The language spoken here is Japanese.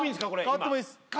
代わってもいいんですか？